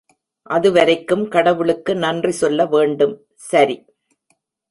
அதுவரைக்கும் கடவுளுக்கு நன்றி சொல்ல வேண்டும். சரி!